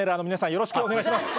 よろしくお願いします。